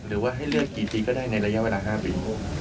หรือว่าให้เลือกกี่ทีก็ได้ในระยะเวลา๕ปี